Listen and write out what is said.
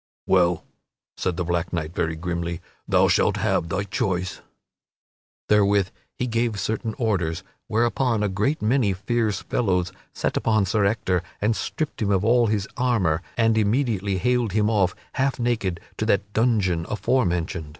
"Well," said the black knight very grimly, "thou shalt have thy choice." Therewith he gave certain orders, whereupon a great many fierce fellows set upon Sir Ector and stripped him of all his armor, and immediately haled him off, half naked, to that dungeon aforementioned.